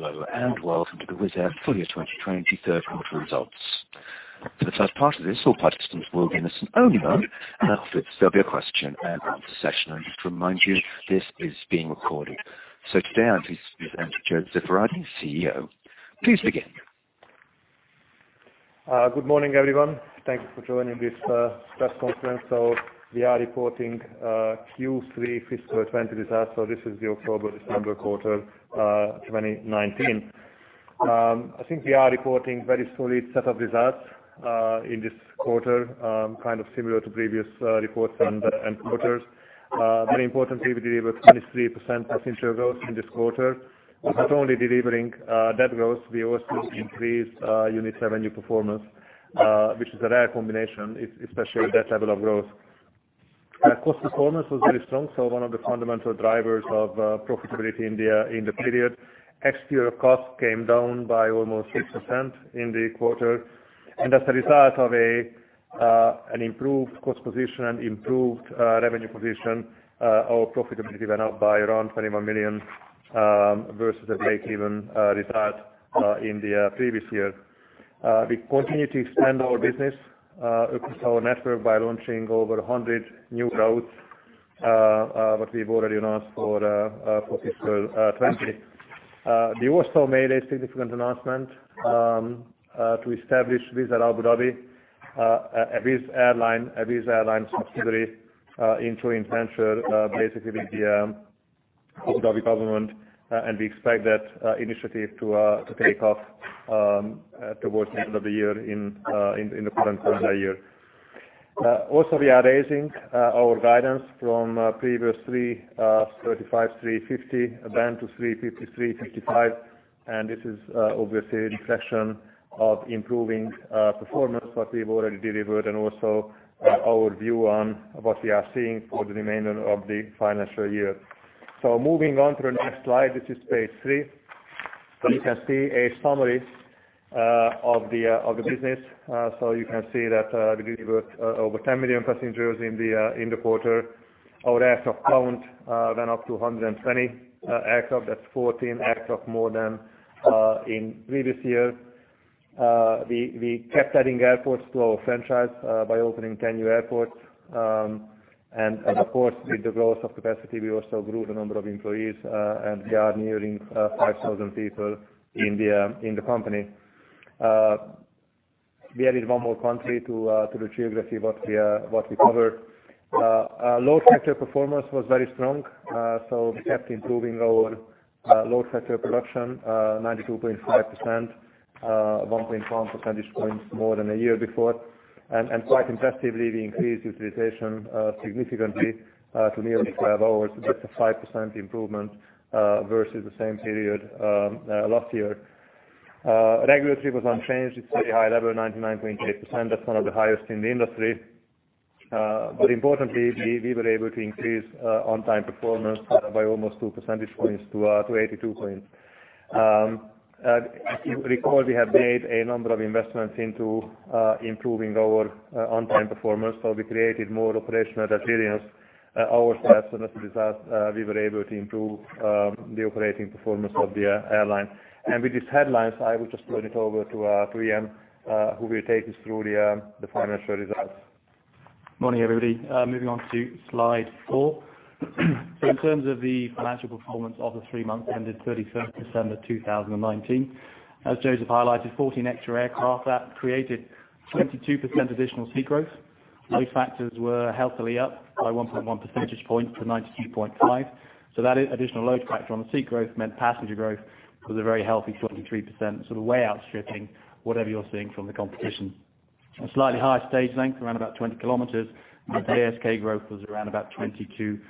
Hello, and welcome to the Wizz Air full year 2020 third quarter results. For the first part of this, all participants will be in listen only mode. After, there'll be a question and answer session. I'd like to remind you this is being recorded. Today I'm pleased to introduce József Váradi, CEO. Please begin. Good morning, everyone. Thank you for joining this press conference. We are reporting Q3 fiscal 2020 results. This is the October-December quarter, 2019. I think we are reporting very solid set of results in this quarter, kind of similar to previous reports and quarters. Very importantly, we delivered 23% passenger growth in this quarter. We are not only delivering that growth, we also increased unit revenue performance, which is a rare combination, especially at that level of growth. Cost performance was very strong, one of the fundamental drivers of profitability in the period. Ex-fuel costs came down by almost 6% in the quarter. As a result of an improved cost position and improved revenue position, our profitability went up by around 21 million, versus a breakeven result in the previous year. We continue to expand our business, our network by launching over 100 new routes, what we've already announced for fiscal 2020. We also made a significant announcement to establish Wizz Air Abu Dhabi, a Wizz Air airline subsidiary, in joint venture basically with the Abu Dhabi government. We expect that initiative to take off towards the end of the year in the current calendar year. Also we are raising our guidance from previous 335 million-350 million band to 350 million-355 million. This is obviously a reflection of improving performance, what we've already delivered and also our view on what we are seeing for the remainder of the financial year. Moving on to the next slide. This is page three. You can see a summary of the business. You can see that we delivered over 10 million passengers in the quarter. Our aircraft count went up to 120 aircraft. That's 14 aircraft more than previous year. We kept adding airports to our franchise, by opening 10 new airports. Of course, with the growth of capacity, we also grew the number of employees, and we are nearing 5,000 people in the company. We added one more country to the geography what we cover. Load factor performance was very strong. We kept improving our load factor production, 92.5%, 1.1 percentage points more than a year before. Quite impressively, we increased utilization significantly to nearly 12 hours. That's a 5% improvement, versus the same period last year. Regulatory was unchanged. It's very high level, 99.8%. That's one of the highest in the industry. Importantly, we were able to increase on-time performance by almost two percentage points to 82 points. If you recall, we have made a number of investments into improving our on-time performance. We created more operational resilience ourselves, and as a result, we were able to improve the operating performance of the airline. With these headlines, I will just turn it over to Ian, who will take us through the financial results. Morning, everybody. Moving on to slide four. In terms of the financial performance of the three months ended 31st December 2019. As József highlighted, 14 extra aircraft. That created 22% additional seat growth. Load factors were healthily up by 1.1 percentage points to 92.5%. That additional load factor on the seat growth meant passenger growth was a very healthy 23%, sort of way outstripping whatever you're seeing from the competition. A slightly higher stage length, around about 20 km, but ASK growth was around about 22%.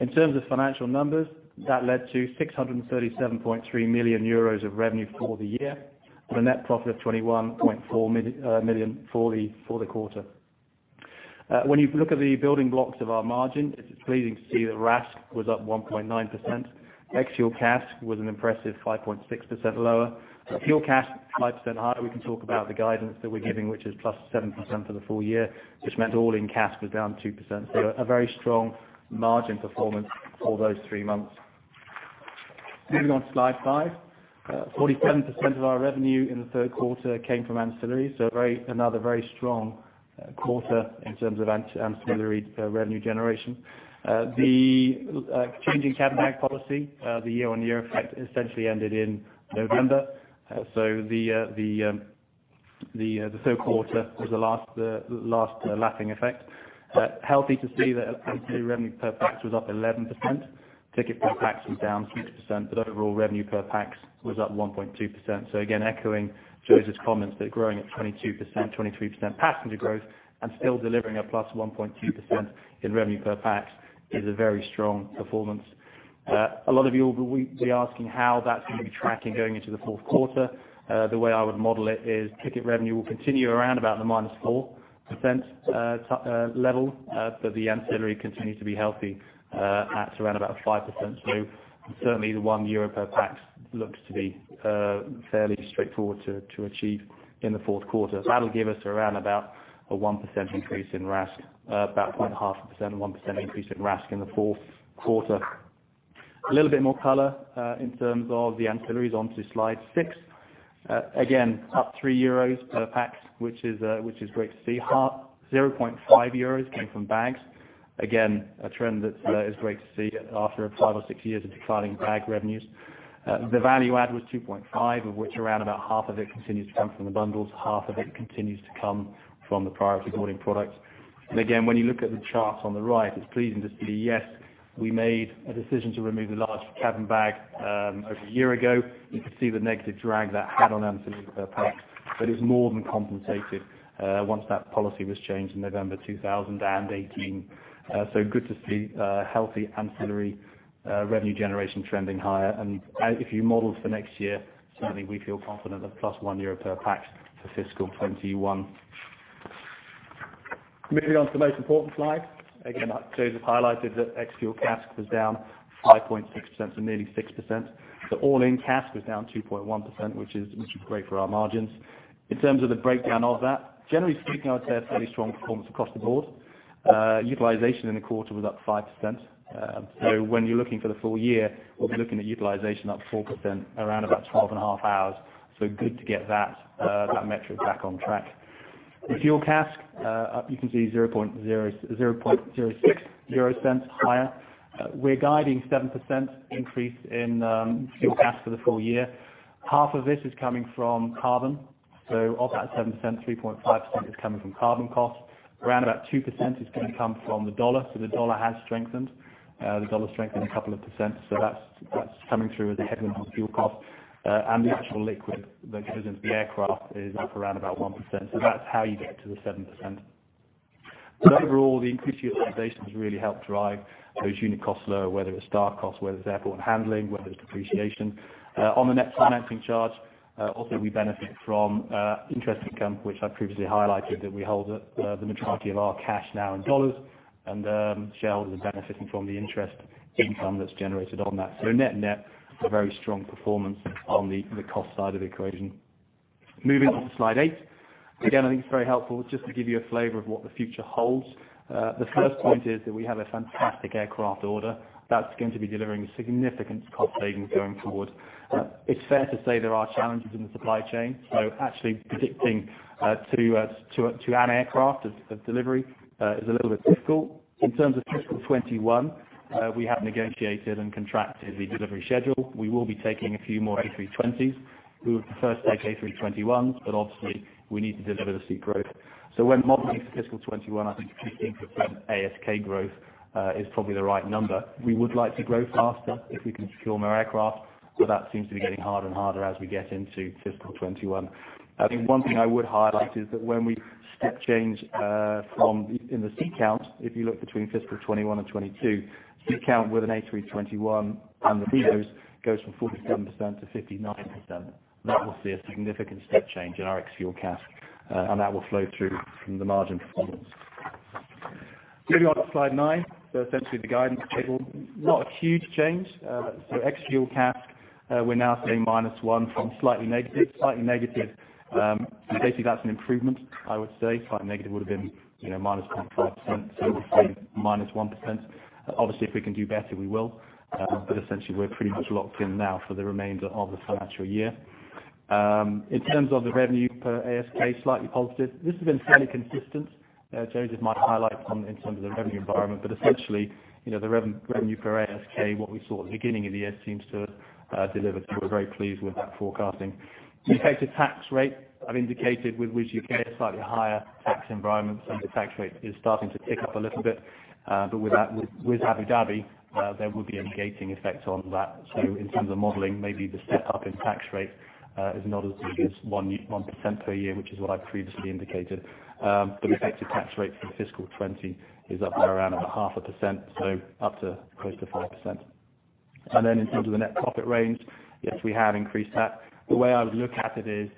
In terms of financial numbers, that led to 637.3 million euros of revenue for the year, with a net profit of 21.4 million for the quarter. When you look at the building blocks of our margin, it's pleasing to see that RASK was up 1.9%. Ex-fuel CASK was an impressive 5.6% lower. Fuel CASK, 5% higher. We can talk about the guidance that we're giving, which is +7% for the full year, which meant all-in CASK was -2%. A very strong margin performance for those three months. Moving on to slide five. 47% of our revenue in the third quarter came from ancillary, so another very strong quarter in terms of ancillary revenue generation. The changing cabin bag policy, the year-on-year effect essentially ended in November. The third quarter was the last lapping effect. Healthy to see that ancillary revenue per pax was up 11%. Ticket per pax was -6%, but overall revenue per pax was +1.2%. Again, echoing József's comments, that growing at 22%, 23% passenger growth and still delivering a +1.2% in revenue per pax is a very strong performance. A lot of you will be asking how that's going to be tracking going into the fourth quarter. The way I would model it is ticket revenue will continue around about the minus 4% level. The ancillary continues to be healthy, at around about 5% growth, and certainly the one EUR per pax looks to be fairly straightforward to achieve in the fourth quarter. That'll give us around about a 1% increase in RASK, about 0.5%, 1% increase in RASK in the fourth quarter. A little bit more color in terms of the ancillaries, onto slide six. Again, up three EUR per pax, which is great to see. Up 0.5 euros came from bags. Again, a trend that is great to see after five or six years of declining bag revenues. The value add was 2.5, of which around about half of it continues to come from the bundles, half of it continues to come from the priority boarding products. When you look at the chart on the right, it's pleasing to see, yes, we made a decision to remove the large cabin bag over a year ago. You can see the negative drag that had on ancillary per pax, but it was more than compensated once that policy was changed in November 2018. Good to see healthy ancillary revenue generation trending higher. If you model for next year, certainly we feel confident of plus 1 euro per pax for fiscal 2021. Moving on to the most important slide. Again, József highlighted that ex-fuel CASK was down 5.6%, so nearly 6%. All-in CASK was down 2.1%, which is great for our margins. In terms of the breakdown of that, generally speaking, I would say a fairly strong performance across the board. Utilization in the quarter was up 5%. When you're looking for the full year, we'll be looking at utilization up 4%, around about 12 and a half hours. Good to get that metric back on track. The fuel CASK, up you can see 0.06 higher. We're guiding 7% increase in fuel CASK for the full year. Half of this is coming from carbon. Of that 7%, 3.5% is coming from carbon costs. Around about 2% is going to come from the U.S. dollar. The U.S. dollar has strengthened. The U.S. dollar strengthened a couple of percent. That's coming through as a headwind on fuel cost. The actual liquid that goes into the aircraft is up around about 1%. That's how you get to the 7%. Overall, the increased utilization has really helped drive those unit costs low, whether it's staff costs, whether it's airport handling, whether it's depreciation. On the net financing charge, also we benefit from interest income, which I previously highlighted that we hold the majority of our cash now in dollar. It is benefiting from the interest income that's generated on that. Net-net, a very strong performance on the cost side of the equation. Moving on to slide eight. I think it's very helpful just to give you a flavor of what the future holds. The first point is that we have a fantastic aircraft order that's going to be delivering significant cost savings going forward. It's fair to say there are challenges in the supply chain. Actually predicting to an aircraft of delivery is a little bit difficult. In terms of fiscal 2021, we have negotiated and contracted the delivery schedule. We will be taking a few more A320s. We would prefer to take A321s, but obviously, we need to deliver the seat growth. When modeling for fiscal 2021, I think 15% ASK growth is probably the right number. We would like to grow faster if we can secure more aircraft, but that seems to be getting harder and harder as we get into fiscal 2021. I think one thing I would highlight is that when we step change in the seat count, if you look between fiscal 2021 and 2022, seat count with an A321 and the NEOs goes from 47%-59%, that will see a significant step change in our ex-fuel CASK, and that will flow through from the margin performance. Moving on to slide nine, so essentially the guidance table. Not a huge change. Ex-fuel CASK, we're now saying -1% from slightly negative. Slightly negative, basically that's an improvement, I would say. Slightly negative would have been -0.5%. We're saying -1%. Obviously, if we can do better, we will. Essentially, we're pretty much locked in now for the remainder of the financial year. In terms of the revenue per ASK, slightly positive. This has been fairly consistent. József might highlight in terms of the revenue environment, but essentially, the revenue per ASK, what we saw at the beginning of the year seems to have delivered, so we're very pleased with that forecasting. The effective tax rate I've indicated with Wizz Air is slightly higher tax environment. The tax rate is starting to tick up a little bit. With Abu Dhabi, there will be a mitigating effect on that. In terms of modeling, maybe the step-up in tax rate is not as big as 1% per year, which is what I previously indicated. Effective tax rate for fiscal 2020 is up around 0.5%, so up to close to 5%. Then in terms of the net profit range, yes, we have increased that. The way I would look at it is,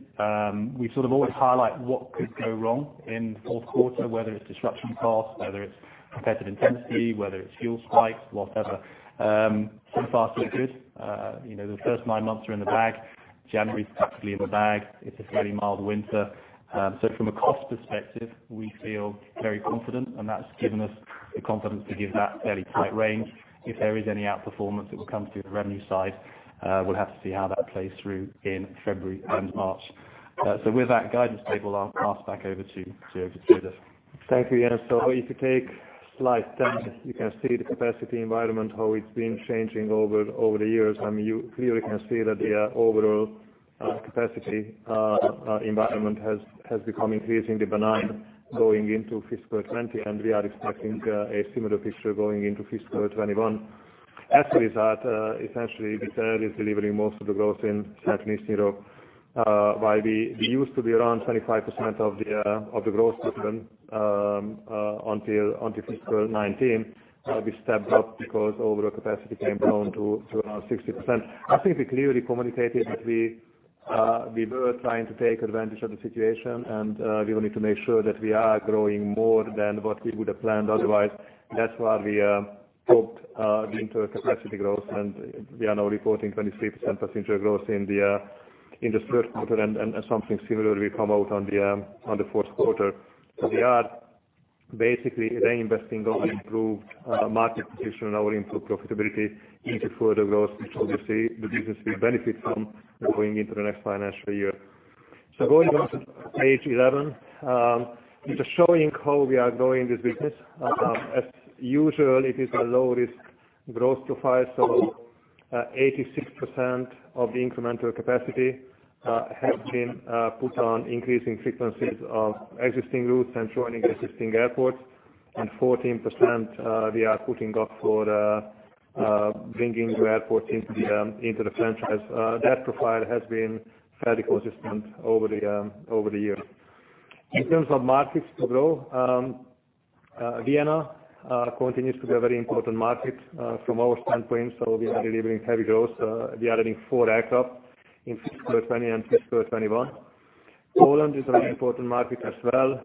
we sort of always highlight what could go wrong in the fourth quarter, whether it's disruption costs, whether it's competitive intensity, whether it's fuel spikes, whatever. So far, so good. The first nine months are in the bag. January is practically in the bag. It's a fairly mild winter. From a cost perspective, we feel very confident, and that's given us the confidence to give that fairly tight range. If there is any outperformance, it will come through the revenue side. We'll have to see how that plays through in February and March. With that guidance table, I'll pass back over to József. Thank you, Ian. If you take slide 10, you can see the capacity environment, how it's been changing over the years. You clearly can see that the overall capacity environment has become increasingly benign going into fiscal 2020, and we are expecting a similar picture going into fiscal 2021. After Wizz Air, essentially, Wizz Air is delivering most of the growth in Central and Eastern Europe. While we used to be around 25% of the growth system until fiscal 2019, we stepped up because overall capacity came down to around 60%. I think we clearly communicated that we were trying to take advantage of the situation, and we will need to make sure that we are growing more than what we would have planned otherwise. That's why we booked into capacity growth, and we are now reporting 23% passenger growth in the third quarter, and something similar will come out on the fourth quarter as we are basically reinvesting our improved market position and our improved profitability into further growth, which obviously the business will benefit from going into the next financial year. Going on to page 11, just showing how we are growing this business. As usual, it is a low-risk growth profile, so 86% of the incremental capacity has been put on increasing frequencies of existing routes and joining existing airports, and 14% we are putting up for bringing new airports into the franchise. That profile has been fairly consistent over the years. In terms of markets to grow, Vienna continues to be a very important market from our standpoint, so we are delivering heavy growth. We are adding four aircraft in fiscal 2020 and fiscal 2021. Poland is a very important market as well.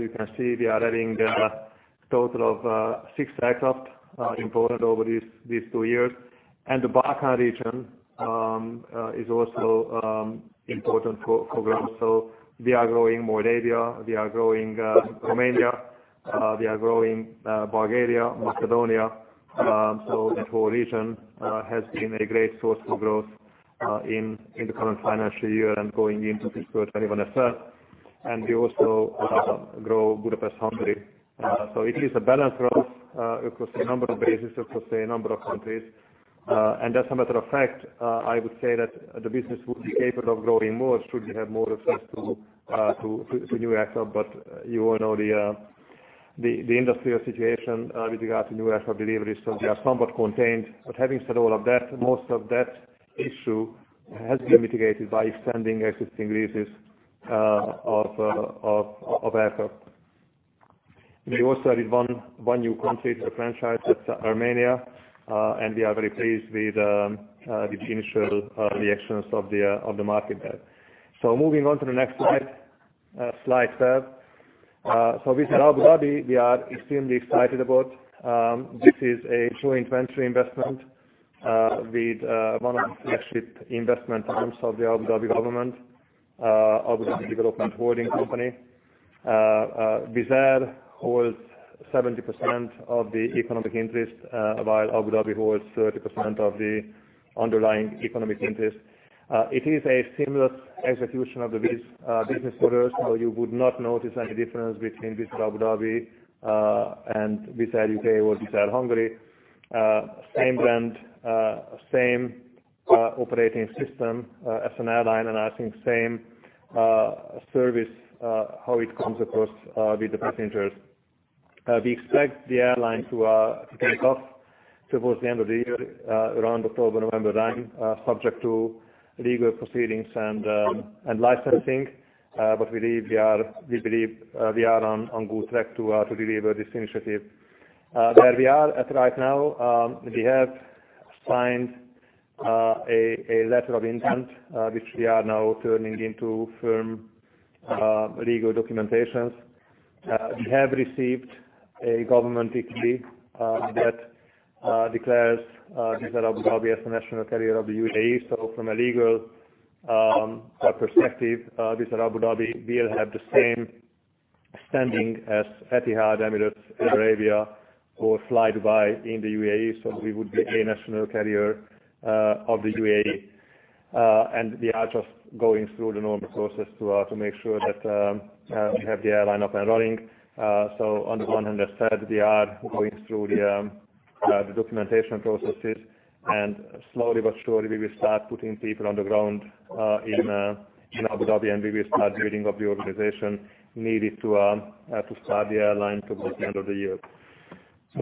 You can see we are adding there a total of six aircraft important over these two years. The Balkan region is also important for growth. We are growing Moldova, we are growing Romania, we are growing Bulgaria, Macedonia. The whole region has been a great source for growth in the current financial year and going into fiscal 2021 as well. We also grow Budapest, Hungary. It is a balanced growth across a number of bases, across a number of countries. As a matter of fact, I would say that the business would be capable of growing more should we have more access to new aircraft, but you all know the industrial situation with regard to new aircraft deliveries. We are somewhat contained. Having said all of that, most of that issue has been mitigated by extending existing leases of aircraft. We also added one new country to the franchise, that's Armenia, and we are very pleased with the initial reactions of the market there. Moving on to the next slide, please. Wizz Air Abu Dhabi, we are extremely excited about. This is a joint venture investment with one of the flagship investment arms of the Abu Dhabi government, Abu Dhabi Developmental Holding Company. Wizz Air holds 70% of the economic interest, while Abu Dhabi holds 30% of the underlying economic interest. It is a seamless execution of the Wizz business model, so you would not notice any difference between Wizz Air Abu Dhabi and Wizz Air UK or Wizz Air Hungary. Same brand, same operating system as an airline, I think same service, how it comes across with the passengers. We expect the airline to take off towards the end of the year, around October, November time, subject to legal proceedings and licensing. We believe we are on good track to deliver this initiative. Where we are at right now, we have signed a letter of intent, which we are now turning into firm legal documentations. We have received a government decree that declares Wizz Air Abu Dhabi as the national carrier of the UAE. From a legal perspective, Wizz Air Abu Dhabi will have the same standing as Etihad, Emirates, Air Arabia, or flydubai in the UAE. We would be a national carrier of the UAE. We are just going through the normal process to make sure that we have the airline up and running. On the one hand, as said, we are going through the documentation processes, and slowly but surely, we will start putting people on the ground in Abu Dhabi, and we will start building up the organization needed to start the airline towards the end of the year.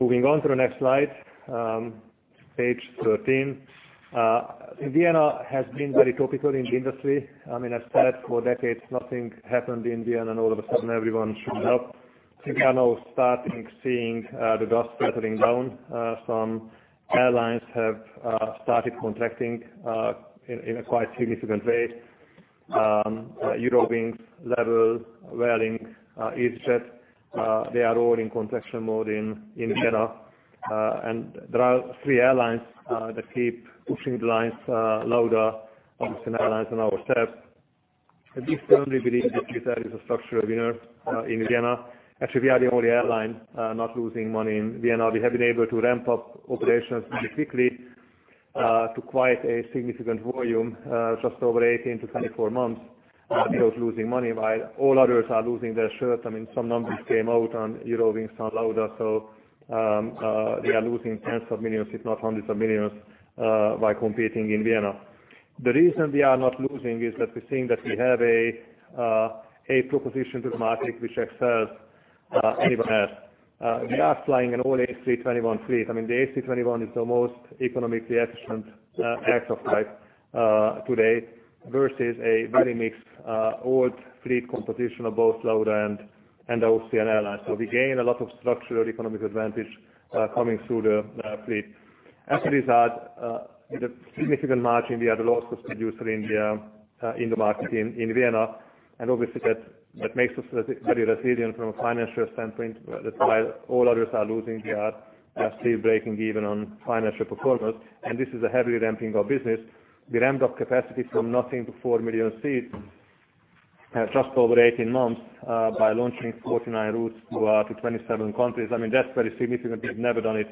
Moving on to the next slide, page 13. Vienna has been very topical in the industry. I mean, it's stayed for decades, nothing happened in Vienna, and all of a sudden everyone shook it up. I think we are now starting seeing the dust settling down. Some airlines have started contracting in a quite significant way. Eurowings, Level, Vueling, easyJet, they are all in contraction mode in Vienna. There are three airlines that keep pushing the lines, Lauda, Austrian Airlines, and ourselves. We firmly believe that Wizz Air is a structural winner in Vienna. Actually, we are the only airline not losing money in Vienna. We have been able to ramp up operations very quickly to quite a significant volume just over 18-24 months without losing money while all others are losing their shirt. I mean, some numbers came out on Eurowings and Lauda, so they are losing EUR tens of millions, if not EUR hundreds of millions, while competing in Vienna. The reason we are not losing is that we're seeing that we have a proposition to the market which excels anyone else. We are flying an all A321 fleet. I mean, the A321 is the most economically efficient aircraft type today versus a very mixed old fleet composition of both Lauda and Austrian Airlines. We gain a lot of structural economic advantage coming through the fleet. As a result, with a significant margin, we are the lowest cost producer in the market in Vienna, and obviously that makes us very resilient from a financial standpoint. That's why all others are losing, we are still breaking even on financial performance, and this is a heavily ramping up business. We ramped up capacity from nothing to 4 million seats just over 18 months by launching 49 routes to 27 countries. That's very significant. We've never done it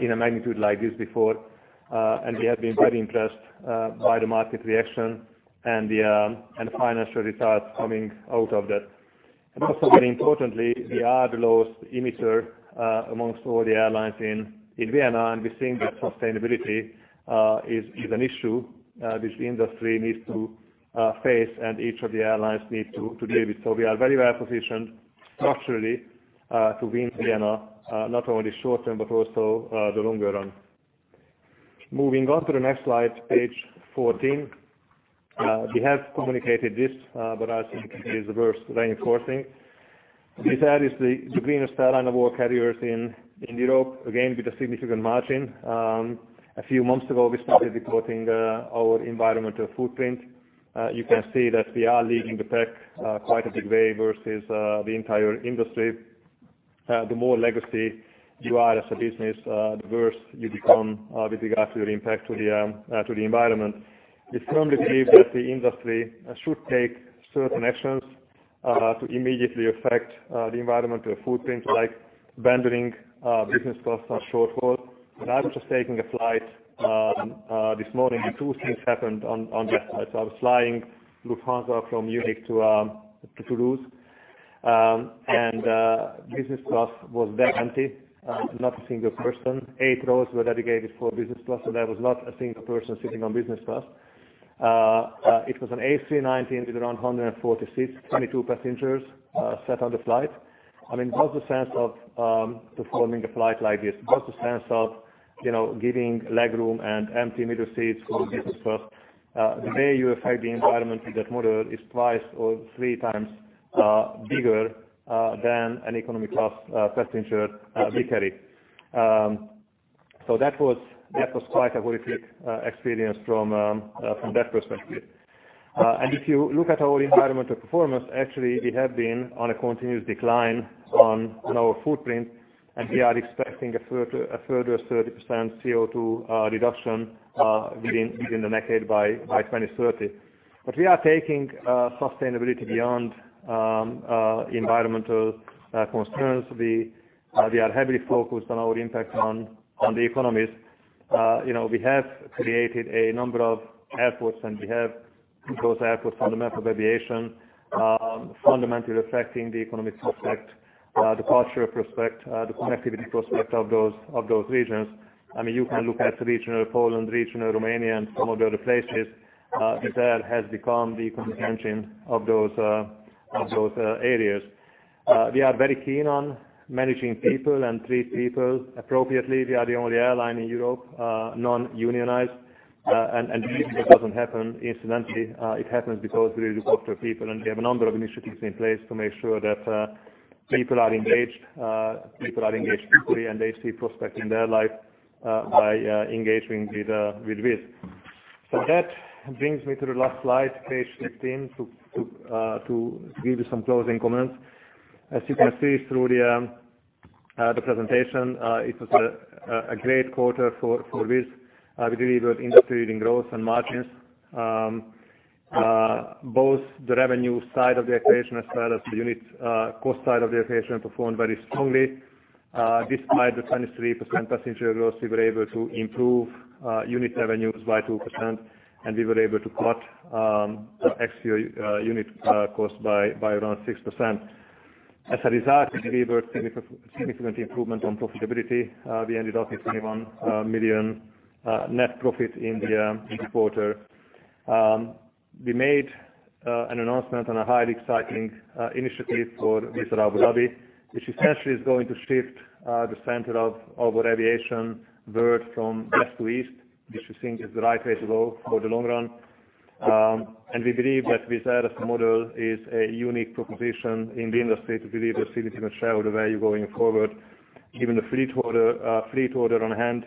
in a magnitude like this before, and we have been very impressed by the market reaction and the financial results coming out of that. Also very importantly, we are the lowest emitter among all the airlines in Vienna, and we think that sustainability is an issue this industry needs to face and each of the airlines need to deal with. We are very well-positioned structurally to win Vienna, not only short term, but also the longer run. Moving on to the next slide, page 14. We have communicated this, I think it is worth reinforcing. Wizz Air is the greenest airline of all carriers in Europe, again, with a significant margin. A few months ago, we started reporting our environmental footprint. You can see that we are leading the pack quite a big way versus the entire industry. The more legacy you are as a business, the worse you become with regards to your impact to the environment. We firmly believe that the industry should take certain actions to immediately affect the environmental footprint, like abandoning business class on short-haul. I was just taking a flight this morning, two things happened on that flight. I was flying Lufthansa from Munich to Toulouse, and business class was vacant. Not a single person. Eight rows were dedicated for business class, and there was not a single person sitting on business class. It was an A319 with around 140 seats, 22 passengers set on the flight. What's the sense of performing a flight like this? What's the sense of giving leg room and empty middle seats for business class? The way you affect the environment with that model is two or three times bigger than an economy class passenger we carry. That was quite a horrific experience from that perspective. If you look at our environmental performance, actually, we have been on a continuous decline on our footprint, and we are expecting a further 30% CO2 reduction within the decade by 2030. We are taking sustainability beyond environmental concerns. We are heavily focused on our impact on the economies. We have created a number of airports, and we have those airports on the map of aviation, fundamentally affecting the economic prospect, departure prospect, the connectivity prospect of those regions. You can look at regional Poland, regional Romania, and some of the other places. Wizz Air has become the economic engine of those areas. We are very keen on managing people and treat people appropriately. We are the only airline in Europe non-unionized, the reason that doesn't happen incidentally, it happens because we look after people, and we have a number of initiatives in place to make sure that people are engaged fully, and they see prospects in their life by engaging with Wizz. That brings me to the last slide, page 15, to give you some closing comments. As you can see through the presentation, it was a great quarter for Wizz. We delivered industry-leading growth and margins. Both the revenue side of the equation as well as the unit cost side of the equation performed very strongly. Despite the 23% passenger growth, we were able to improve unit revenues by 2%, and we were able to cut the ex-fuel unit cost by around 6%. As a result, we delivered significant improvement on profitability. We ended up with 21 million net profit in the quarter. We made an announcement on a highly exciting initiative for Wizz Air Abu Dhabi, which essentially is going to shift the center of our aviation world from west to east, which we think is the right way to go for the long run. We believe that Wizz Air as a model is a unique proposition in the industry to deliver significant shareholder value going forward, given the fleet order on hand,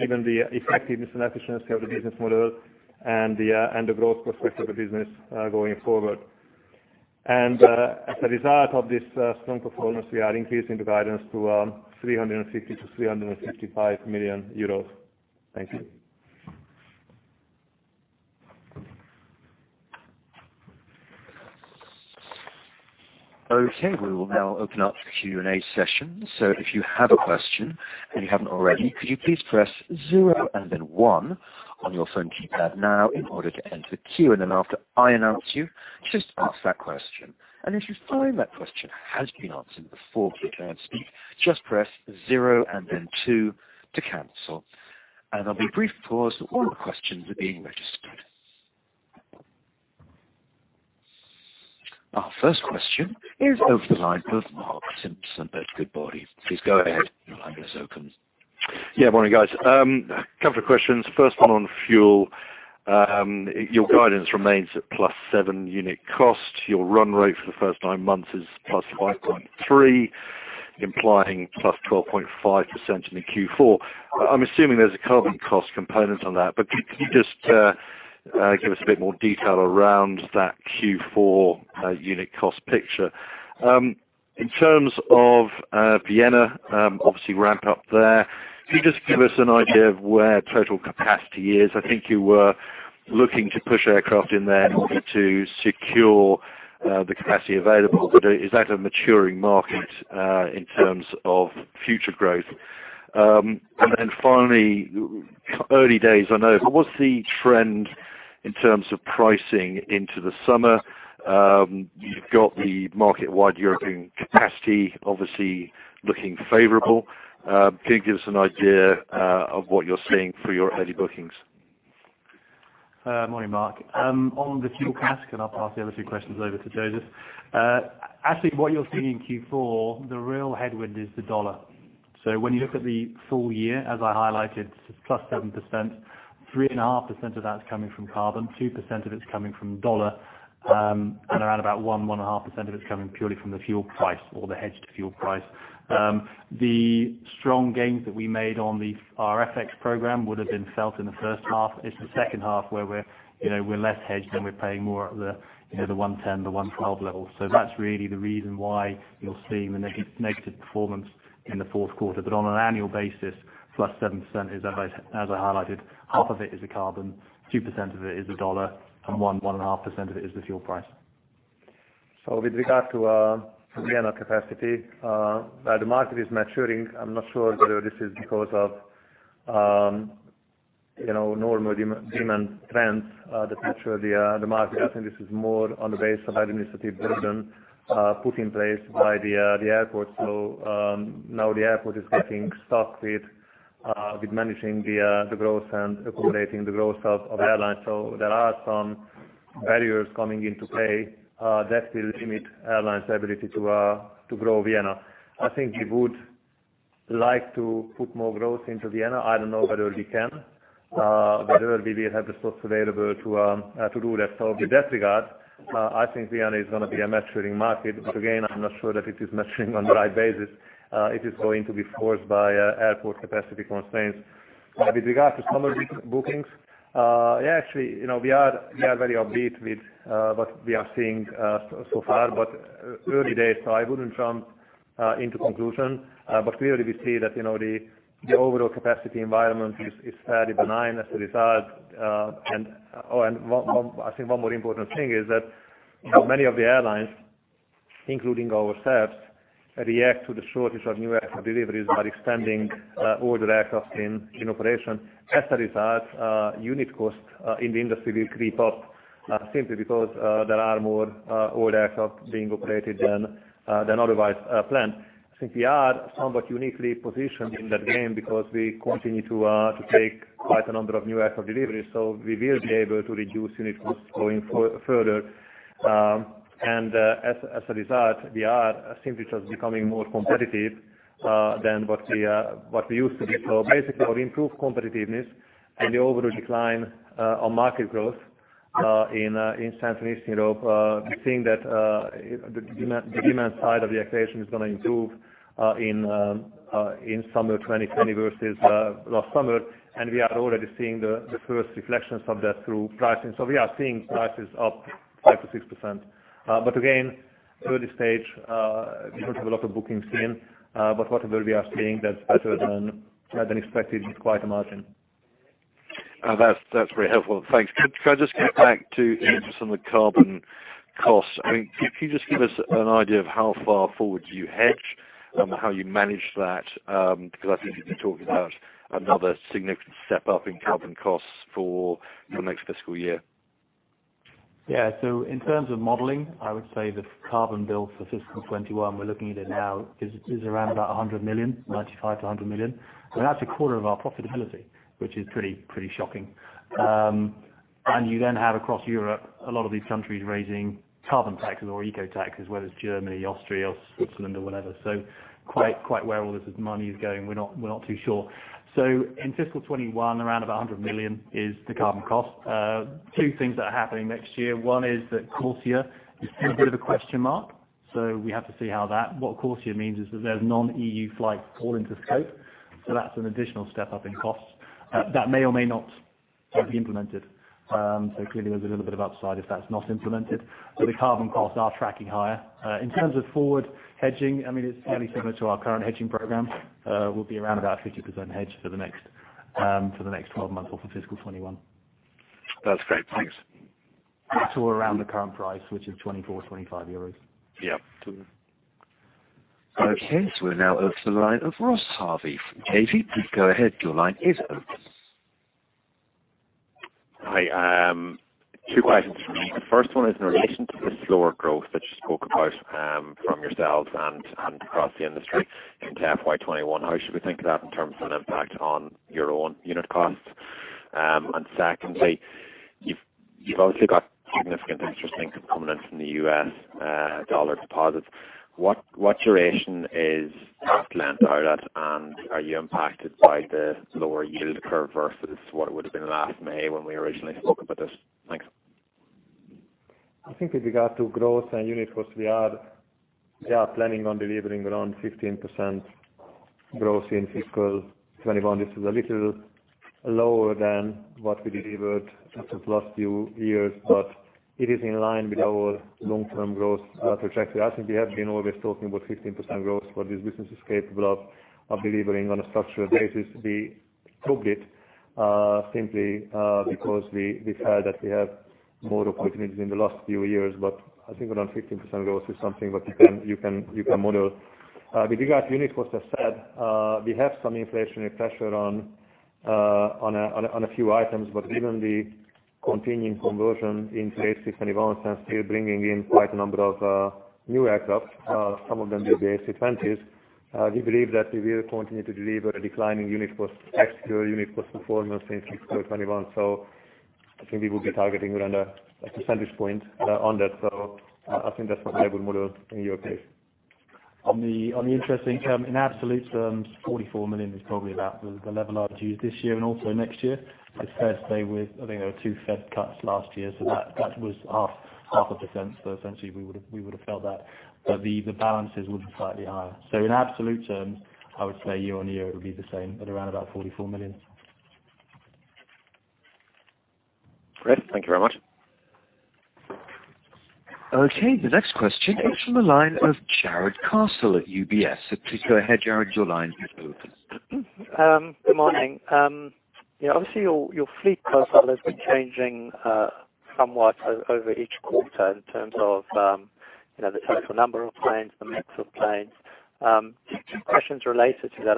given the effectiveness and efficiency of the business model and the growth prospect of the business going forward. As a result of this strong performance, we are increasing the guidance to 350 million-355 million euros. Thank you. Okay. We will now open up the Q&A session. If you have a question and you haven't already, could you please press zero and then one on your phone keypad now in order to enter the queue. After I announce you, just ask that question. If you find that question has been answered before you can speak, just press zero and then two to cancel. There'll be a brief pause while all the questions are being registered. Our first question is over the line with Mark Simpson at Goodbody. Please go ahead. Your line is open. Yeah. Morning, guys. Couple of questions. First one on fuel. Your guidance remains at +7 unit cost. Your run rate for the first nine months is +5.3, implying +12.5% in the Q4. I'm assuming there's a carbon cost component on that. Could you just give us a bit more detail around that Q4 unit cost picture? In terms of Vienna, obviously ramp up there. Can you just give us an idea of where total capacity is? I think you were looking to push aircraft in there in order to secure the capacity available. Is that a maturing market in terms of future growth? Finally, early days I know, but what's the trend in terms of pricing into the summer? You've got the market-wide European capacity obviously looking favorable. Can you give us an idea of what you're seeing for your early bookings? Morning, Mark. On the fuel price, I'll pass the other two questions over to József. Actually, what you're seeing in Q4, the real headwind is the dollar. When you look at the full year, as I highlighted, +7%, 3.5% of that's coming from carbon, 2% of it's coming from dollar, and around about 1%-1.5% of it's coming purely from the fuel price or the hedged fuel price. The strong gains that we made on our FX program would have been felt in the first half. It's the second half where we're less hedged, and we're paying more at the 110, the 112 level. That's really the reason why you're seeing the negative performance in the fourth quarter. On an annual basis, +7% as I highlighted, half of it is the carbon, 2% of it is the dollar, and 1.5% of it is the fuel price. With regard to Vienna capacity, the market is maturing. I'm not sure whether this is because of normal demand trends that mature the market. I think this is more on the base of administrative burden put in place by the airport. Now the airport is getting stuck with managing the growth and accommodating the growth of airlines. There are some barriers coming into play that will limit airlines' ability to grow Vienna. I think we would like to put more growth into Vienna. I don't know whether we can, whether we will have the spots available to do that. With that regard, I think Vienna is going to be a maturing market. Again, I'm not sure that it is maturing on the right basis. It is going to be forced by airport capacity constraints. With regard to summer bookings, actually, we are very upbeat with what we are seeing so far. Early days, so I wouldn't jump into conclusion. Clearly we see that the overall capacity environment is fairly benign as a result. I think one more important thing is that many of the airlines, including ourselves, react to the shortage of new airframe deliveries by expanding older aircraft in operation. As a result, unit cost in the industry will creep up simply because there are more older aircraft being operated than otherwise planned. I think we are somewhat uniquely positioned in that game because we continue to take quite a number of new airframe deliveries, so we will be able to reduce unit costs going further. As a result, we are simply just becoming more competitive than what we used to be. Basically, our improved competitiveness and the overall decline of market growth in Central and Eastern Europe, we're seeing that the demand side of the equation is going to improve in summer 2020 versus last summer, we are already seeing the first reflections of that through pricing. We are seeing prices up 5%-6%. Again, early stage, we don't have a lot of bookings in. What we are seeing, that's better than expected with quite a margin. That's very helpful. Thanks. Could I just get back to just on the carbon cost? Can you just give us an idea of how far forward you hedge and how you manage that? I think you've been talking about another significant step up in carbon costs for the next fiscal year. Yeah. In terms of modeling, I would say the carbon bill for fiscal 2021, we're looking at it now, is around about 100 million, 95 million-100 million. That's a quarter of our profitability, which is pretty shocking. You then have across Europe, a lot of these countries raising carbon taxes or eco taxes, whether it's Germany, Austria, Switzerland, or whatever. Quite where all this money is going, we're not too sure. In fiscal 2021, around about 100 million is the carbon cost. Two things that are happening next year. One is that CORSIA is still a bit of a question mark, so we have to see how that. What CORSIA means is that there's non-EU flights fall into scope. That's an additional step up in costs that may or may not be implemented. Clearly, there's a little bit of upside if that's not implemented. The carbon costs are tracking higher. In terms of forward hedging, it's fairly similar to our current hedging program. We'll be around about 50% hedge for the next 12 months or for fiscal 2021. That's great. Thanks. Around the current price, which is 24, 25 euros. Yeah. Okay, we now go to the line of Ross Harvey from Davy Research. Go ahead. Your line is open. Hi. Two questions from me. The first one is in relation to the slower growth that you spoke about from yourselves and across the industry into FY 2021. How should we think of that in terms of an impact on your own unit costs? Secondly, you've obviously got significant interesting components in the U.S. dollar deposits. What duration is that lent out at, and are you impacted by the lower yield curve versus what it would have been last May when we originally spoke about this? Thanks. I think with regard to growth and unit costs, we are planning on delivering around 15% growth in fiscal 2021. This is a little lower than what we delivered in the last few years, but it is in line with our long-term growth trajectory. I think we have been always talking about 15% growth, what this business is capable of delivering on a structural basis. We took it simply because we felt that we had more opportunities in the last few years. I think around 15% growth is something that you can model. With regard to unit cost, as said, we have some inflationary pressure on a few items, but given the continuing conversion into A321s and still bringing in quite a number of new aircraft, some of them will be A320s. We believe that we will continue to deliver a declining unit cost, ex-fuel unit cost performance in fiscal 2021. I think we will be targeting around a percentage point on that. I think that's what we would model in your case. On the interest income, in absolute terms, $44 million is probably about the level I would use this year and also next year. It's fair to say I think there were two Fed cuts last year, that was half a percent. Essentially we would have felt that, but the balances would be slightly higher. In absolute terms, I would say year-on-year it would be the same at around about $44 million. Great. Thank you very much. Okay. The next question comes from the line of Jarrod Castle at UBS. Please go ahead, Jarrod. Your line is open. Good morning. Obviously, your fleet profile has been changing somewhat over each quarter in terms of the total number of planes, the mix of planes. Two questions related to that.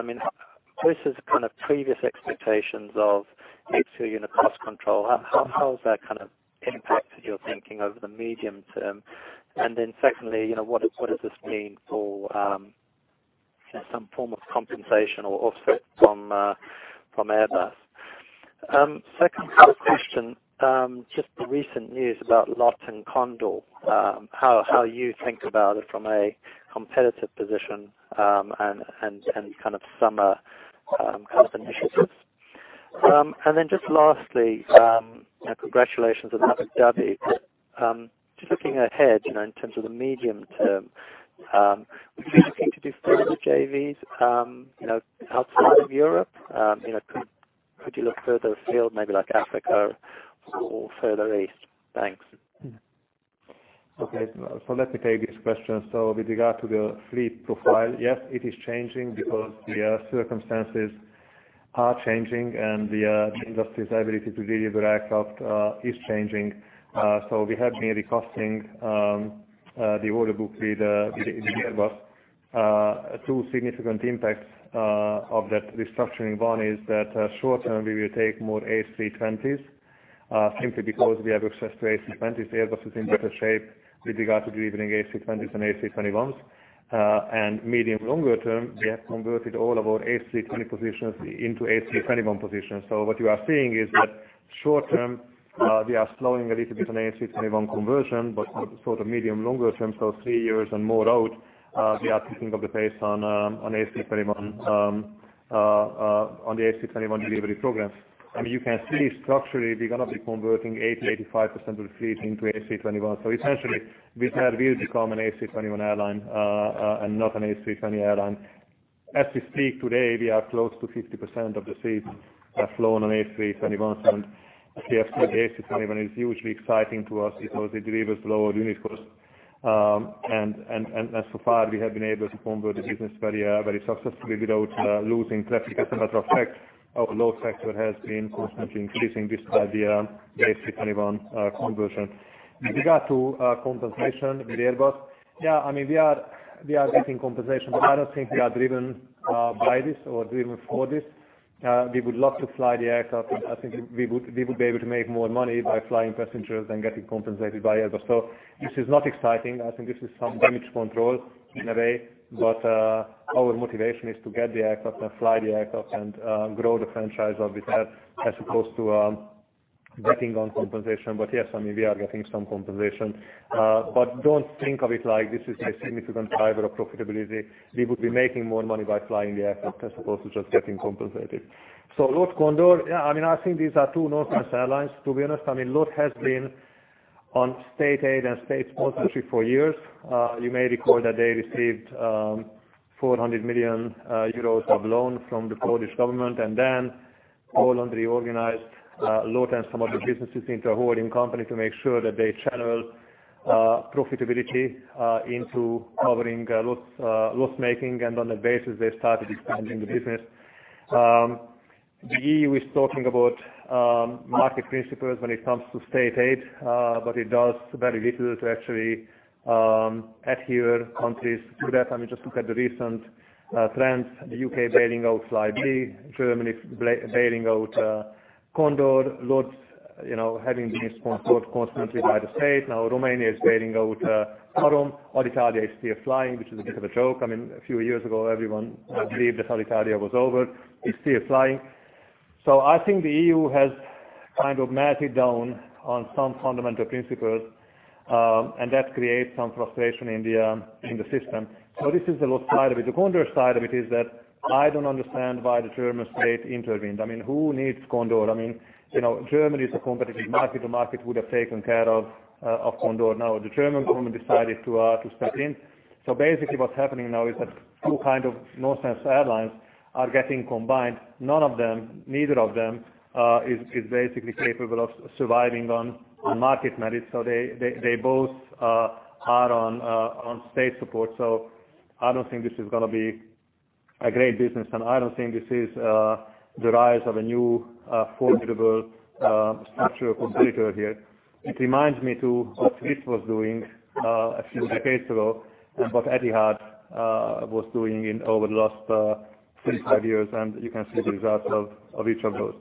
Versus kind of previous expectations of CASK unit cost control, how has that impacted your thinking over the medium term? Secondly, what does this mean for some form of compensation or offset from Airbus? Second question, just the recent news about LOT and Condor, how you think about it from a competitive position, and kind of summer initiatives. Lastly, congratulations on Abu Dhabi. Just looking ahead, in terms of the medium term, would you be looking to do further JVs outside of Europe? Could you look further afield, maybe like Africa or further east? Thanks. Okay, let me take these questions. With regard to the fleet profile, yes, it is changing because the circumstances are changing and the industry's ability to deliver aircraft is changing. We have been re-costing the order book with Airbus. Two significant impacts of that restructuring. One is that short-term, we will take more A320s, simply because we have access to A320s. Airbus is in better shape with regard to delivering A320s than A321s. Medium longer-term, we have converted all of our A320 positions into A321 positions. What you are seeing is that short-term, we are slowing a little bit on A321 conversion, but for the medium longer-term, so three years and more out, we are picking up the pace on the A321 delivery program. You can see structurally, we're going to be converting 80%-85% of the fleet into A321. Essentially, Wizz Air will become an A321 airline and not an A320 airline. As we speak today, we are close to 50% of the fleet are flown on A321s, and the A321 is hugely exciting to us because it delivers lower unit cost. So far, we have been able to convert the business very successfully without losing traffic. As a matter of fact, our load factor has been constantly increasing despite the A321 conversion. With regard to compensation with Airbus, we are getting compensation, but I don't think we are driven by this or driven for this. We would love to fly the aircraft, and I think we would be able to make more money by flying passengers than getting compensated by Airbus. This is not exciting. I think this is some damage control in a way, but our motivation is to get the aircraft and fly the aircraft and grow the franchise of Wizz Air as opposed to getting on compensation. Yes, we are getting some compensation. Don't think of it like this is a significant driver of profitability. We would be making more money by flying the aircraft as opposed to just getting compensated. LOT Condor, I think these are two northern airlines, to be honest. LOT has been on state aid and state subsidy for years. You may recall that they received 400 million euros of loan from the Polish government, and then Poland reorganized LOT and some of the businesses into a holding company to make sure that they channel profitability into covering LOT's loss-making, and on that basis, they started expanding the business. The EU is talking about market principles when it comes to state aid, but it does very little to actually adhere countries to that. I mean, just look at the recent trends, the U.K. bailing out Flybe, Germany bailing out Condor, LOT having been supported constantly by the state. Romania is bailing out TAROM. Alitalia is still flying, which is a bit of a joke. I mean, a few years ago, everyone believed that Alitalia was over. It's still flying. I think the EU has kind of melted down on some fundamental principles. That creates some frustration in the system. This is the lost side of it. The Condor side of it is that I don't understand why the German state intervened. Who needs Condor? Germany is a competitive market. The market would have taken care of Condor. The German government decided to step in. Basically what's happening now is that two kind of nonsense airlines are getting combined. None of them, neither of them is basically capable of surviving on market merit. They both are on state support. I don't think this is going to be a great business, and I don't think this is the rise of a new, formidable structural competitor here. It reminds me to what Swiss was doing a few decades ago and what Etihad was doing over the last three-five years, and you can see the results of each of those.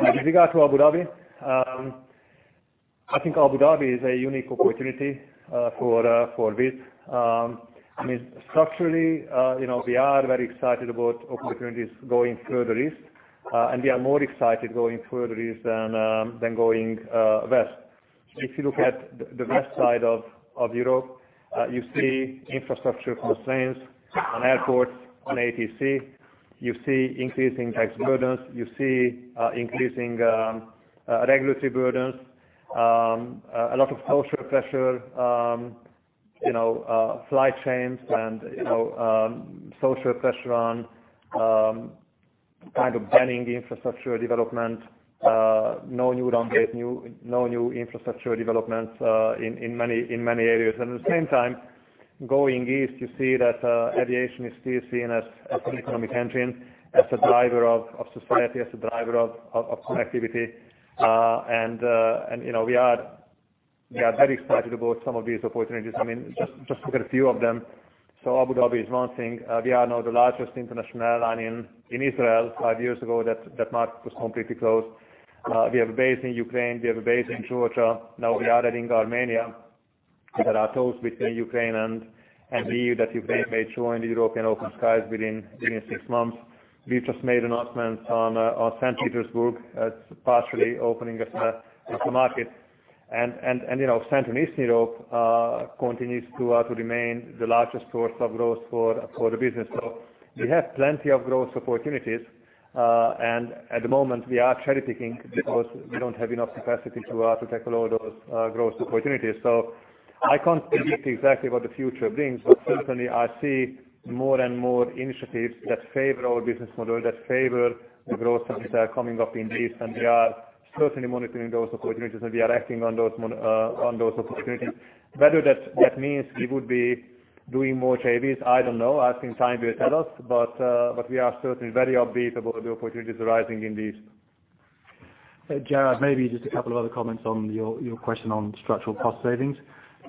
Now, with regard to Abu Dhabi, I think Abu Dhabi is a unique opportunity for Wizz. Structurally, we are very excited about opportunities going further east, and we are more excited going further east than going west. If you look at the west side of Europe, you see infrastructure constraints on airports, on ATC. You see increasing tax burdens. You see increasing regulatory burdens. A lot of social pressure, flight shaming and social pressure on kind of banning infrastructure development. No new runways, no new infrastructure developments in many areas. At the same time, going east, you see that aviation is still seen as an economic engine, as a driver of society, as a driver of connectivity. We are very excited about some of these opportunities. Just look at a few of them. Abu Dhabi is one thing. We are now the largest international airline in Israel. Five years ago, that market was completely closed. We have a base in Ukraine. We have a base in Georgia. Now we are adding Armenia. There are talks between Ukraine and we that Ukraine may join the European open skies within six months. We've just made announcements on St. Petersburg as partially opening as a market. Central and Eastern Europe continues to remain the largest source of growth for the business. We have plenty of growth opportunities. At the moment, we are cherry-picking because we don't have enough capacity to take a lot of those growth opportunities. I can't predict exactly what the future brings, but certainly I see more and more initiatives that favor our business model, that favor the growth countries that are coming up in the east. We are certainly monitoring those opportunities, and we are acting on those opportunities. Whether that means we would be doing more JVs, I don't know. I think time will tell us. We are certainly very upbeat about the opportunities arising in the east. Jarrod, maybe just a couple of other comments on your question on structural cost savings.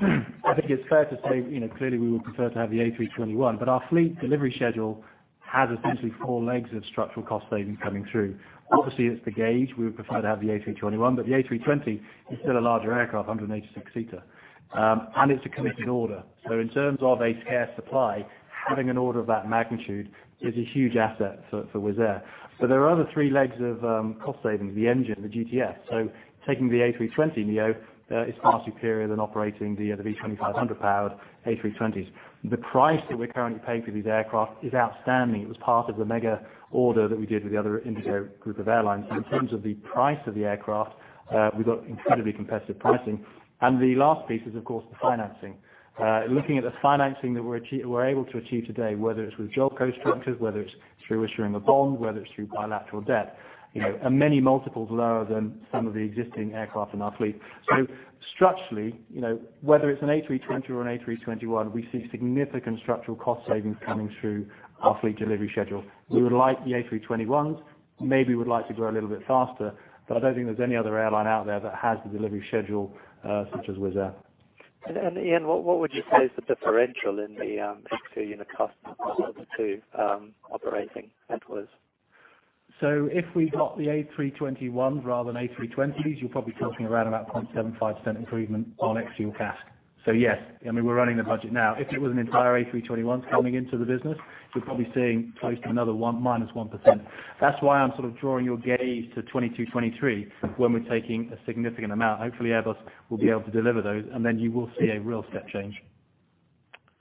I think it's fair to say, clearly we would prefer to have the A321. Our fleet delivery schedule has essentially four legs of structural cost savings coming through. Obviously, it's the gauge. We would prefer to have the A321, but the A320 is still a larger aircraft, 186-seater. It's a committed order. In terms of a scarce supply, having an order of that magnitude is a huge asset for Wizz Air. There are other three legs of cost savings, the engine, the GTF. Taking the A320neo is far superior than operating the V2500 powered A320s. The price that we're currently paying for these aircraft is outstanding. It was part of the mega order that we did with the other Indigo Partners of airlines. In terms of the price of the aircraft, we got incredibly competitive pricing. The last piece is, of course, the financing. Looking at the financing that we're able to achieve today, whether it's with JOLCO structures, whether it's through issuing a bond, whether it's through bilateral debt, are many multiples lower than some of the existing aircraft in our fleet. Structurally, whether it's an A320 or an A321, we see significant structural cost savings coming through our fleet delivery schedule. We would like the A321s, maybe would like to grow a little bit faster, but I don't think there's any other airline out there that has the delivery schedule such as Wizz Air. Ian, what would you say is the differential in the extra unit cost of the two operating at Wizz? If we got the A321 rather than A320s, you're probably talking around about 0.75% improvement on extra unit cost. Yes, we're running the budget now. If it was an entire A321 coming into the business, you're probably seeing close to another one minus 1%. That's why I'm sort of drawing your gaze to 2022, 2023, when we're taking a significant amount. Hopefully Airbus will be able to deliver those, and then you will see a real step change.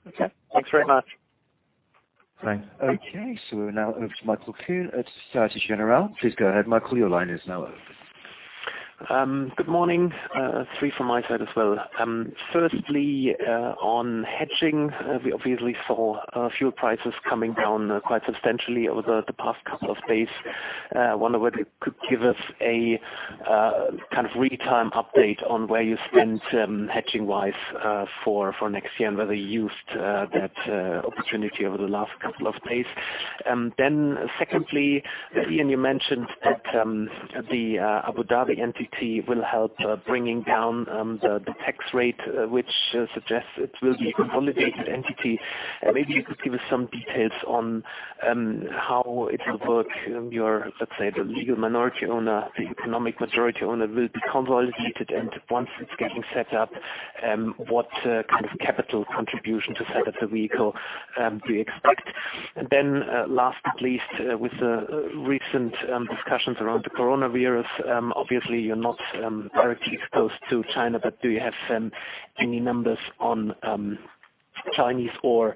Okay. Thanks very much. Thanks. Okay, we're now over to Michael Kuhn at Société Générale. Please go ahead, Michael. Your line is now open. Good morning. Three from my side as well. Firstly, on hedging, we obviously saw fuel prices coming down quite substantially over the past couple of days. I wonder whether you could give us a kind of real-time update on where you stand, hedging-wise, for next year and whether you used that opportunity over the last couple of days. Secondly, Ian, you mentioned that the Abu Dhabi entity will help bringing down the tax rate, which suggests it will be a consolidated entity. Maybe you could give us some details on how it will work, your, let's say, the legal minority owner, the economic majority owner will be consolidated, and once it's getting set up, what kind of capital contribution to set up the vehicle do you expect? Last but not least, with the recent discussions around the coronavirus, obviously you're not directly exposed to China, but do you have any numbers on? Chinese or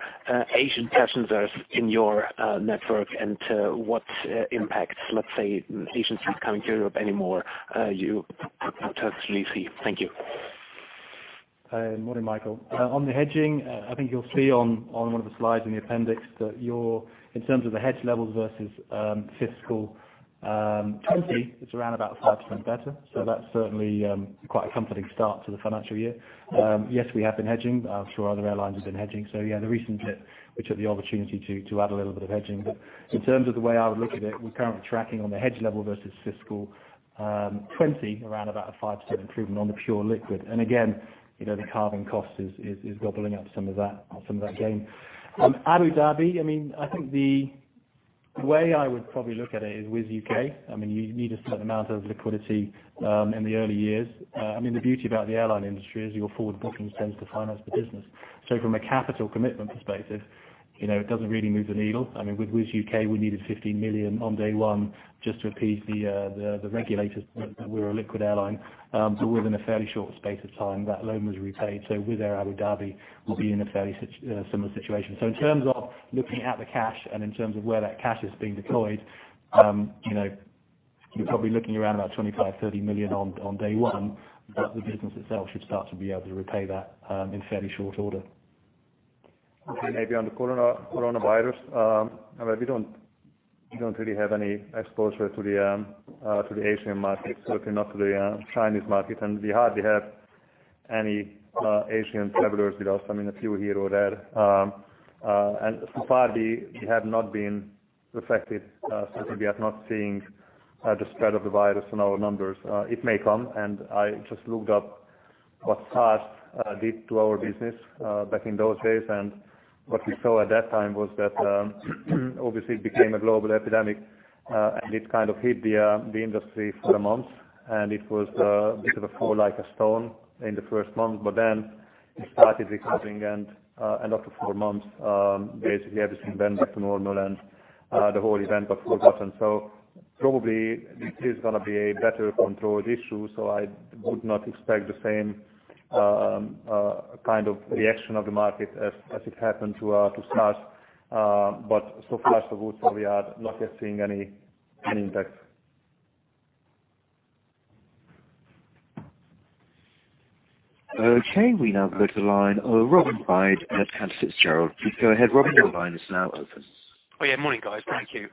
Asian passengers in your network, and what impacts, let's say, Asians not coming to Europe anymore, you potentially see. Thank you. Morning, Michael. On the hedging, I think you'll see on one of the slides in the appendix that in terms of the hedge levels versus fiscal 2020, it's around about 5% better. That's certainly quite a comforting start to the financial year. Yes, we have been hedging. I'm sure other airlines have been hedging, yeah, the recent dip, which had the opportunity to add a little bit of hedging. In terms of the way I would look at it, we're currently tracking on the hedge level versus fiscal 2020 around about a 5% improvement on the pure liquid. Again, the carbon cost is gobbling up some of that gain. Abu Dhabi, I think the way I would probably look at it is with U.K., you need a certain amount of liquidity in the early years. The beauty about the airline industry is your forward booking tends to finance the business. It doesn't really move the needle. With Wizz Air U.K., we needed 15 million on day one just to appease the regulators that we're a liquid airline. Within a fairly short space of time, that loan was repaid. With Wizz Air Abu Dhabi, we'll be in a fairly similar situation. In terms of looking at the cash and in terms of where that cash is being deployed, you're probably looking around about 25 million-30 million on day one, but the business itself should start to be able to repay that in fairly short order. Okay. Maybe on the coronavirus. We don't really have any exposure to the Asian market, certainly not to the Chinese market, and we hardly have any Asian travelers with us. A few here or there. So far, we have not been affected. Certainly, we are not seeing the spread of the virus in our numbers. It may come, and I just looked up what SARS did to our business back in those days, and what we saw at that time was that obviously it became a global epidemic, and it kind of hit the industry for a month, and it was a bit of a fall like a stone in the first month. Then it started recovering and after four months, basically everything went back to normal and the whole event got forgotten. Probably this is going to be a better-controlled issue, so I would not expect the same kind of reaction of the market as it happened to SARS. So far so good. We are not yet seeing any impact. Okay, we now go to the line of Robin Byde at Cantor Fitzgerald. Please go ahead, Robin. Your line is now open. Oh, yeah. Morning, guys. Thank you.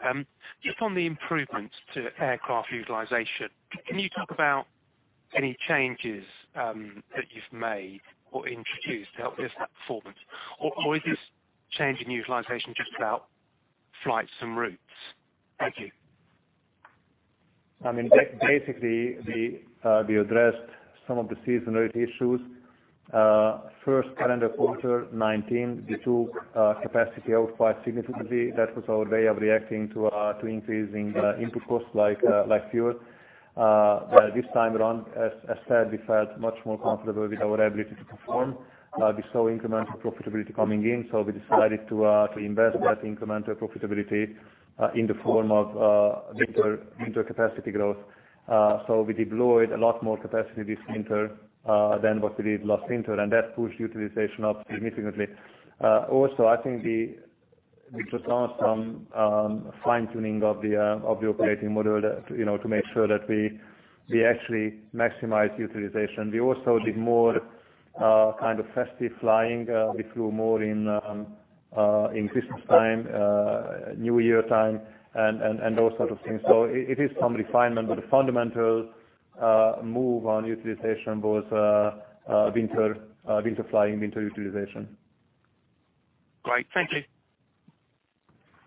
Just on the improvements to aircraft utilization, can you talk about any changes that you've made or introduced to help with that performance? Is this change in utilization just about flights and routes? Thank you. Basically, we addressed some of the seasonality issues. First calendar quarter 2019, we took capacity out quite significantly. That was our way of reacting to increasing input costs like fuel. This time around, as I said, we felt much more comfortable with our ability to perform. We saw incremental profitability coming in. We decided to invest that incremental profitability in the form of winter capacity growth. We deployed a lot more capacity this winter than what we did last winter. That pushed utilization up significantly. I think we just did some fine-tuning of the operating model to make sure that we actually maximize utilization. We also did more kind of festive flying. We flew more in Christmas time, New Year time, those sort of things. It is some refinement. The fundamental move on utilization was winter flying, winter utilization. Great.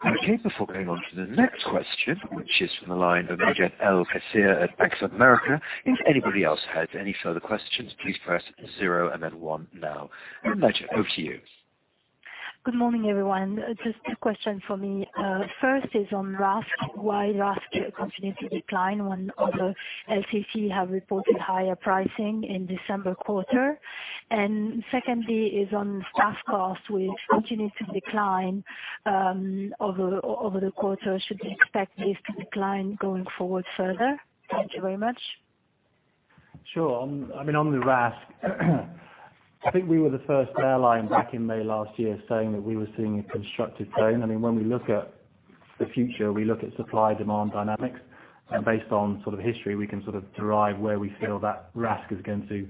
Thank you. Okay. Before going on to the next question, which is from the line of Aymeric J. Verdier at Bank of America, if anybody else has any further questions, please press zero and then one now. Aymeric, over to you. Good morning, everyone. Just two question from me. First is on RASK, why RASK continue to decline when other LCC have reported higher pricing in December quarter. Secondly is on staff costs, which continue to decline over the quarter. Should we expect this to decline going forward further? Thank you very much. Sure. On the RASK, I think we were the first airline back in May last year saying that we were seeing a constructive tone. When we look at the future, we look at supply-demand dynamics, and based on sort of history, we can derive where we feel that RASK is going to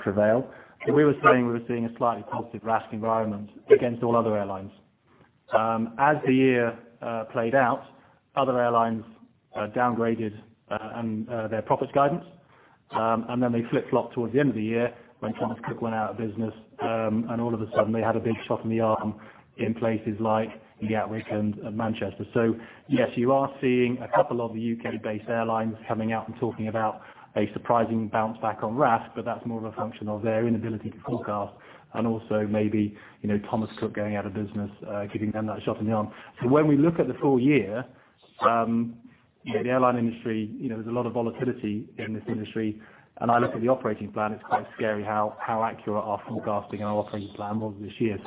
prevail. We were saying we were seeing a slightly positive RASK environment against all other airlines. As the year played out, other airlines downgraded their profit guidance, and then they flip-flopped towards the end of the year when Thomas Cook went out of business. All of a sudden they had a big shot in the arm in places like Gatwick and Manchester. Yes, you are seeing a couple of U.K.-based airlines coming out and talking about a surprising bounce back on RASK, but that's more of a function of their inability to forecast and also maybe Thomas Cook going out of business, giving them that shot in the arm. When we look at the full year, the airline industry, there's a lot of volatility in this industry, and I look at the operating plan, it's quite scary how accurate our forecasting and our operating plan was this year.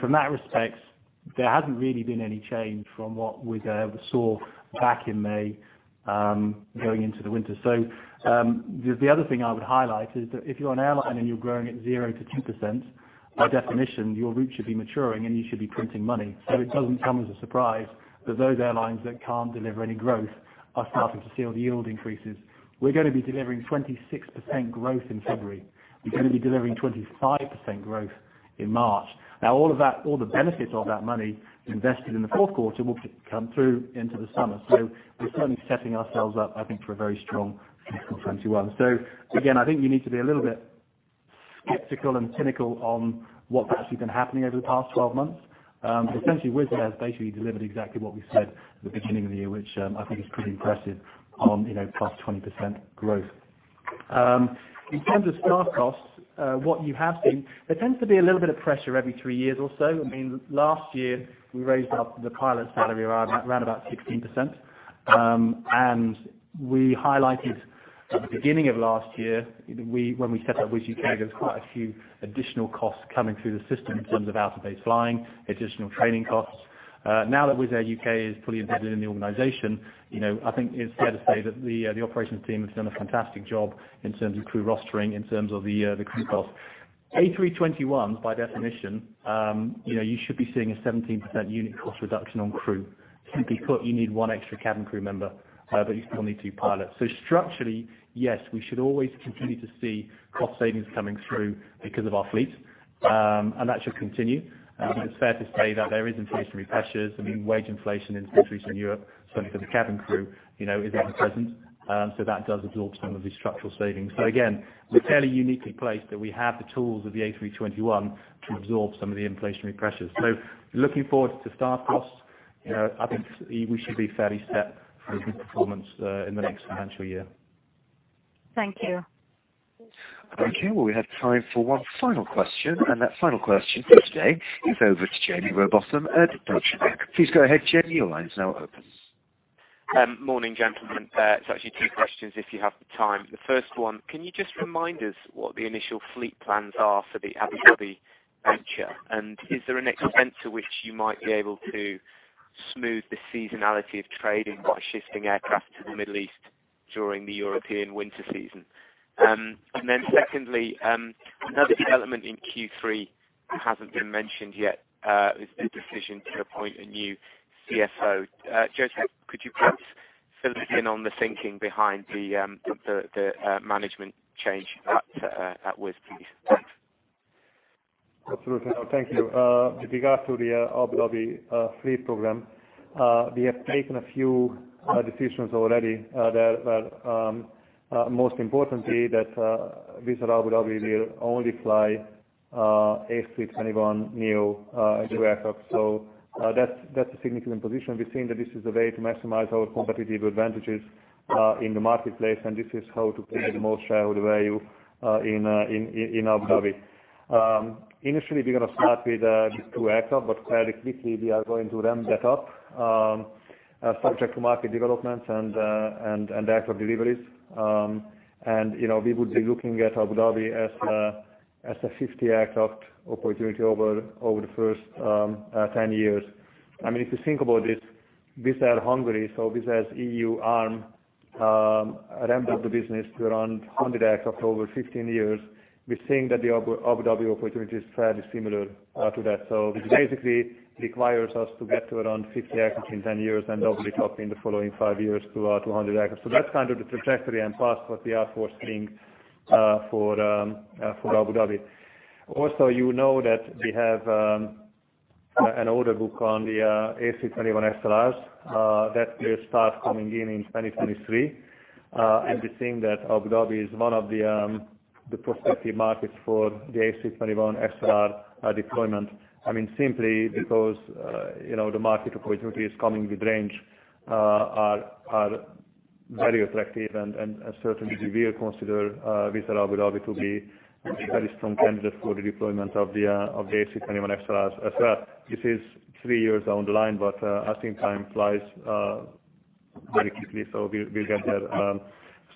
From that respect, there hasn't really been any change from what Wizz Air saw back in May going into the winter. The other thing I would highlight is that if you're an airline and you're growing at 0%-2%, by definition, your route should be maturing, and you should be printing money. It doesn't come as a surprise that those airlines that can't deliver any growth are starting to see all the yield increases. We're going to be delivering 26% growth in February. We're going to be delivering 25% growth in March. All the benefits of that money invested in the fourth quarter will come through into the summer. We're certainly setting ourselves up, I think, for a very strong financial 2021. Again, I think you need to be a little bit skeptical and cynical on what's actually been happening over the past 12 months. Essentially, Wizz has basically delivered exactly what we said at the beginning of the year, which I think is pretty impressive on plus 20% growth. In terms of staff costs, what you have seen, there tends to be a little bit of pressure every three years or so. Last year, we raised up the pilots' salary around about 16%. We highlighted at the beginning of last year, when we set up Wizz Air UK, there was quite a few additional costs coming through the system in terms of out-of-base flying, additional training costs. Now that Wizz Air UK is fully embedded in the organization, I think it's fair to say that the operations team has done a fantastic job in terms of crew rostering, in terms of the crew costs. A321, by definition, you should be seeing a 17% unit cost reduction on crew. Simply put, you need one extra cabin crew member, but you still need two pilots. Structurally, yes, we should always continue to see cost savings coming through because of our fleet, and that should continue. It's fair to say that there is inflationary pressures. Wage inflation in Central Eastern Europe, certainly for the cabin crew, is ever-present. That does absorb some of these structural savings. Again, we're fairly uniquely placed that we have the tools of the A321 to absorb some of the inflationary pressures. Looking forward to staff costs, I think we should be fairly set for a good performance in the next financial year. Thank you. Okay, well, we have time for one final question. That final question of today is over to Jaime Rowbotham at Deutsche Bank. Please go ahead, Jaime. Your line's now open. Morning, gentlemen. It's actually two questions if you have the time. The first one, can you just remind us what the initial fleet plans are for the Abu Dhabi venture? Is there an extent to which you might be able to smooth the seasonality of trading by shifting aircraft to the Middle East during the European winter season? Secondly, another development in Q3 that hasn't been mentioned yet is the decision to appoint a new CFO. József, could you perhaps fill us in on the thinking behind the management change at Wizz, please? Thanks. Absolutely. No, thank you. With regards to the Abu Dhabi fleet program, we have taken a few decisions already. Most importantly, that Wizz Air Abu Dhabi will only fly A321neo aircraft. That's a significant position. We're seeing that this is the way to maximize our competitive advantages in the marketplace, and this is how to create the most shareholder value in Abu Dhabi. Initially, we're going to start with just two aircraft, but fairly quickly, we are going to ramp that up subject to market developments and aircraft deliveries. We would be looking at Abu Dhabi as a 50 aircraft opportunity over the first 10 years. If you think about this, Wizz Air Hungary, so Wizz Air's EU arm ramped up the business to around 100 aircraft over 15 years. We're seeing that the Abu Dhabi opportunity is fairly similar to that. This basically requires us to get to around 50 aircraft in 10 years and hopefully double in the following five years to 200 aircraft. That's kind of the trajectory and path what we are foreseeing for Abu Dhabi. Also, you know that we have an order book on the A321XLRs that will start coming in in 2023. We're seeing that Abu Dhabi is one of the prospective markets for the A321XLR deployment. Simply because the market opportunity is coming with range are very attractive and certainly we will consider Wizz Air Abu Dhabi to be a very strong candidate for the deployment of the A321XLR as well. This is three years down the line, but I think time flies very quickly, so we'll get there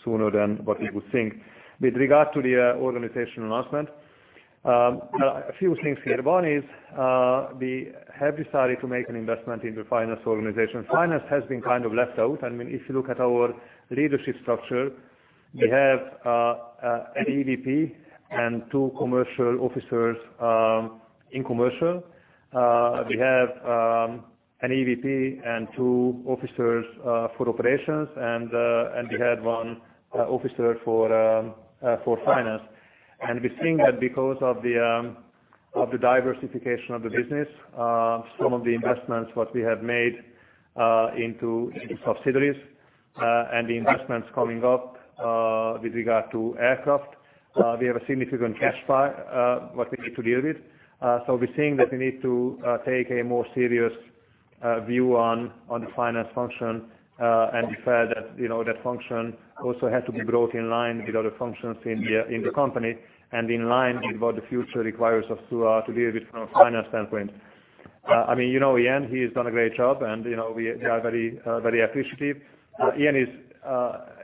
sooner than what you would think. With regard to the organization announcement, a few things here. One is, we have decided to make an investment in the Finance organization. Finance has been kind of left out. If you look at our leadership structure, we have an EVP and two Commercial officers in Commercial. We have an EVP and two officers for Operations, and we had one officer for Finance. We're seeing that because of the diversification of the business, some of the investments what we have made into subsidiaries, and the investments coming up with regard to aircraft, we have a significant cash pile what we need to deal with. We're seeing that we need to take a more serious view on the Finance function, and we feel that that function also has to be brought in line with other functions in the company and in line with what the future requires us to deal with from a Finance standpoint. You know Ian, he's done a great job. We are very appreciative. Ian is a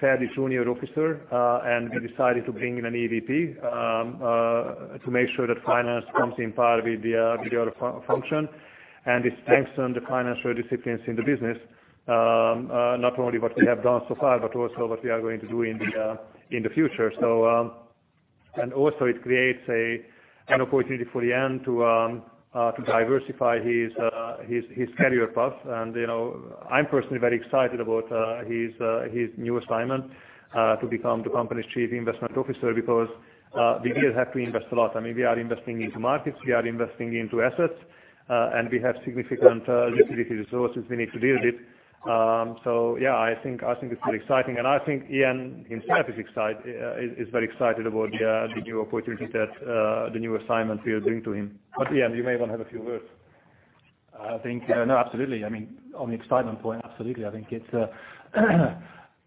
fairly junior officer. We decided to bring in an EVP to make sure that finance comes in par with the other function. It strengthens the financial disciplines in the business, not only what we have done so far, but also what we are going to do in the future. Also it creates an opportunity for Ian to diversify his career path. I'm personally very excited about his new assignment to become the company's chief investment officer because we will have to invest a lot. We are investing into markets, we are investing into assets, and we have significant liquidity resources we need to deal with. Yeah, I think it's very exciting, and I think Ian himself is very excited about the new assignment we are giving to him. Ian, you may want to have a few words. No, absolutely. On the excitement point, absolutely.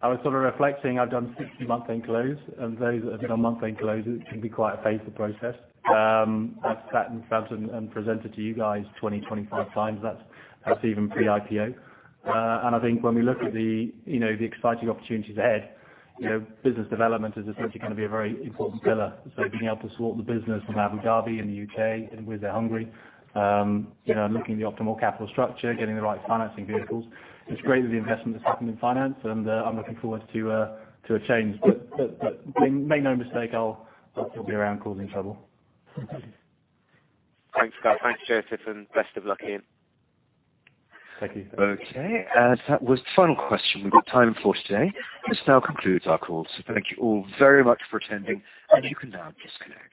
I was sort of reflecting, I've done 60 month-end close, and those that have done month-end closes, it can be quite a painful process. I've sat and presented to you guys 20, 25 times. That's even pre-IPO. I think when we look at the exciting opportunities ahead, business development is essentially going to be a very important pillar. Being able to sort the business from Abu Dhabi and the U.K. and Wizz Air Hungary, looking at the optimal capital structure, getting the right financing vehicles. It's great that the investment has happened in finance, and I'm looking forward to a change. Make no mistake, I'll still be around causing trouble. Thanks, guys. Thanks, József, and best of luck, Ian. Thank you. Okay, that was the final question we've got time for today. This now concludes our call. Thank you all very much for attending, and you can now disconnect.